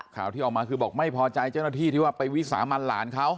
ข่าวที่ออกมาคือบอกไม่พอใจเจ้าหน้าที่ที่ว่าไปวิสามันหลานเขา